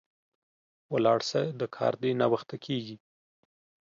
ولاړ سه، د کار دي ناوخته کیږي